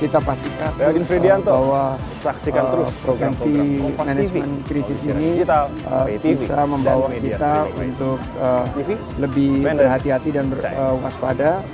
jangan kita lengah kita pastikan bahwa provinsi manajemen krisis ini bisa membawa kita untuk lebih berhati hati dan berwaspada